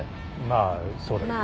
まあそうだよね。